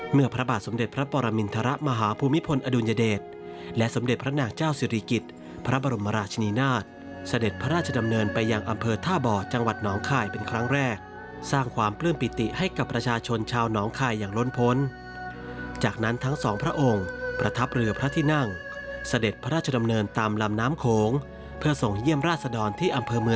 เมื่อพระบาทสมเด็จพระปรมินทรมาฮภูมิพลอดุญเดชและสมเด็จพระนางเจ้าสิริกิตพระบรมราชนินาทสเด็จพระราชดำเนินไปอย่างอัมเภอท่าบ่อจังหวัดน้องคายเป็นครั้งแรกสร้างความเปลื้มปิติให้กับประชาชนชาวน้องคายอย่างล้นพ้นจากนั้นทั้งสองพระองค์ประทับเรือพระทินั่งสเด็จพระราชดำเนินตาม